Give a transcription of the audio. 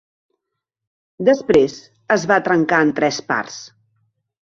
Després es va trencar en tres parts.